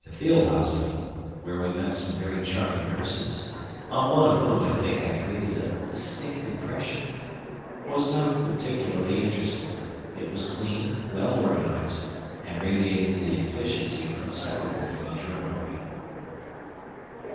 The field hospital, where we met some very charming nurses, on one of whom I think I created a distinct impression, was not particularly interesting. It was clean, well organized and radiated the efficiency inseparable from the German Army.